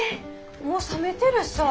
もう冷めてるさぁ。